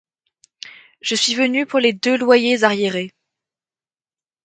Je suis venu pour les deux loyers arriérés.